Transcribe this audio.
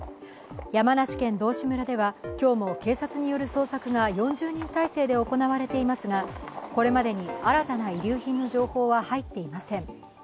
山梨県道志村では、今日も警察による捜索が４０人体勢で行われていますが、これまでに新たな遺留品の情報は入っていません。